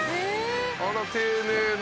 あら丁寧だ。